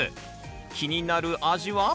気になる味は？